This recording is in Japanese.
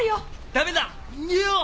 ダメだ逃げよう！